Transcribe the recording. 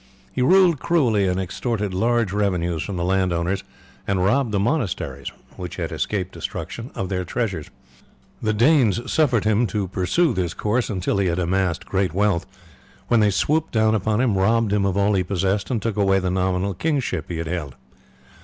He ruled cruelly and extorted large revenues from the land owners, and robbed the monasteries, which had escaped destruction, of their treasures. The Danes suffered him to pursue this course until he had amassed great wealth, when they swooped down upon him, robbed him of all he possessed, and took away the nominal kingship he had held.